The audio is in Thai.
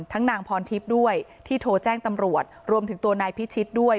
นางพรทิพย์ด้วยที่โทรแจ้งตำรวจรวมถึงตัวนายพิชิตด้วย